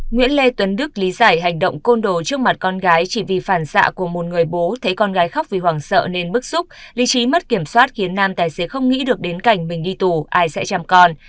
nguyễn lê tuấn đức lý giải hành động côn đồ trước mặt con gái chỉ vì phản xạ của một người bố thấy con gái khóc vì hoảng sợ nên bức xúc lý trí mất kiểm soát khiến nam tài xế không nghĩ được đến cảnh mình đi tù ai sẽ chăm con